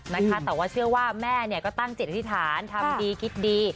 แต่ว่าเชื่อว่าแม่เนี่ยก็ตั้งจิตอธิษฐานทำดีคิดดี